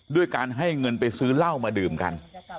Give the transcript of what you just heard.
ด้วยการให้เงินไปซื้อเหล้ามาดื่มกัน